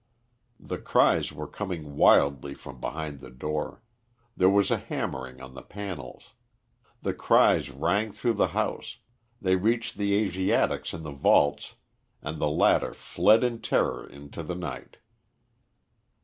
The cries were coming wildly from behind the door; there was a hammering on the panels. The cries rang through the house, they reached the Asiatics in the vaults and the latter fled in terror into the night.